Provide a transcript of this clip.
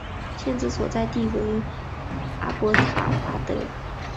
县治所在地为阿伯塔巴德。